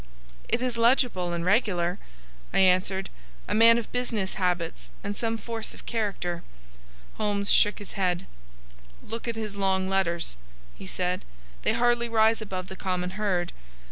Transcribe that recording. "It is legible and regular," I answered. "A man of business habits and some force of character." Holmes shook his head. "Look at his long letters," he said. "They hardly rise above the common herd.